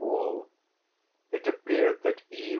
Wall; it appeared that E.